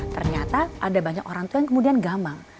ternyata ada banyak orang tua yang kemudian gamal